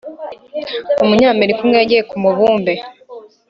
Umunyamerika umwe yagiye kumubumbe